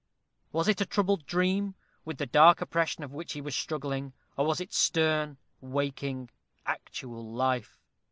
Was it a troubled dream, with the dark oppression of which he was struggling, or was it stern, waking, actual life?